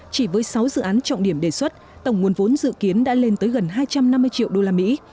chỉ với sáu dự án trọng điểm đề xuất tổng nguồn vốn dự kiến đã lên tới gần hai trăm năm mươi triệu đô la mỹ